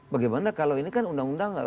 bagaimana kalau ini kan undang undang